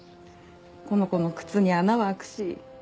この子の靴に穴は開くし。